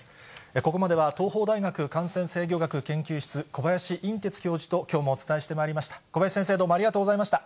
ここまでは東邦大学感染制御学研究室、小林寅てつ教授ときょうもお伝えしてまいりました。